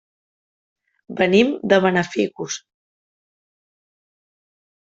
Venim de Benafigos.